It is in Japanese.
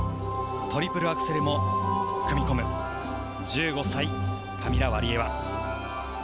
トリプルアクセルも組み込む１５歳、カミラ・ワリエワ。